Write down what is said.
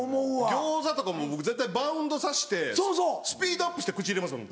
餃子とかも僕絶対バウンドさしてスピードアップして口入れますもん